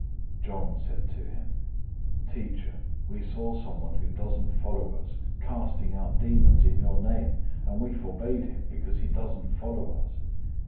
009:038 John said to him, "Teacher, we saw someone who doesn't follow us casting out demons in your name; and we forbade him, because he doesn't follow us."